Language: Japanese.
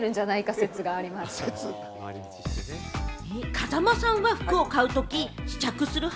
風間さんは服を買うとき、試着する派？